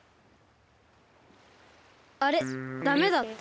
あれダメだった？